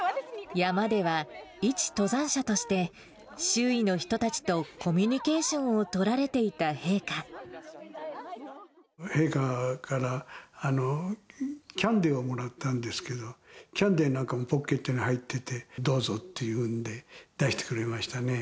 山では一登山者として周囲の人たちとコミュニケーションを取陛下からキャンディーをもらったんですけど、キャンディーなんかもポケットに入ってて、どうぞっていうんで、出してくれましたね。